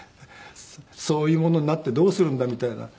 そういうものになってどうするんだみたいな。